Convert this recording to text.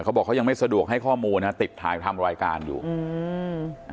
เขาบอกเขายังไม่สะดวกให้ข้อมูลนะติดถ่ายทำรายการอยู่อืม